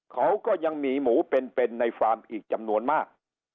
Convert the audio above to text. เขาก็ยังมีหมูเป็นในฟาร์มอีกจำนวนมาก